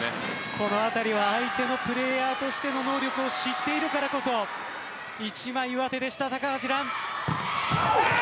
このあたりは相手のプレーヤーとしての能力を知っているからこその一枚上手の高橋藍。